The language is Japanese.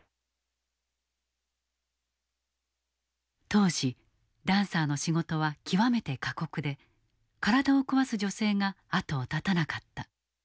当時ダンサーの仕事は極めて過酷で体を壊す女性が後を絶たなかった。